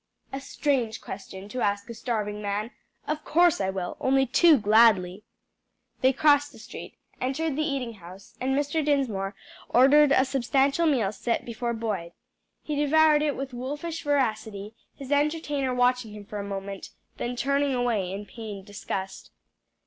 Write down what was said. "A strange question to ask a starving man. Of course I will; only too gladly." They crossed the street, entered the eating house, and Mr. Dinsmore ordered a substantial meal set before Boyd. He devoured it with wolfish voracity, his entertainer watching him for a moment, then turning away in pained disgust.